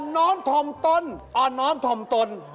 อ่อนน้องถ่อมตน